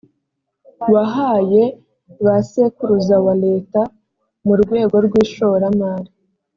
wahaye ba sekuruza wa leta mu rwego rw ishoramari